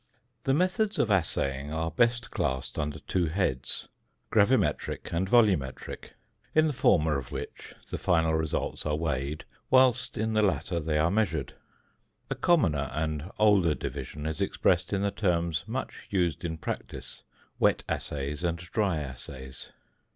The methods of assaying are best classed under two heads, Gravimetric and Volumetric, in the former of which the final results are weighed, whilst in the latter they are measured. A commoner and older division is expressed in the terms much used in practice wet assays and dry assays.